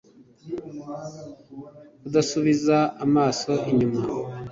kudasubiza amaso inyuma